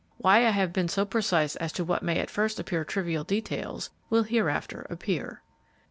Why I have been so precise as to what may at first appear trivial details will hereafter appear.